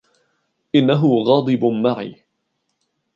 إنهُ غاضب معي.